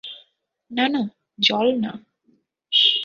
না, না, জল না।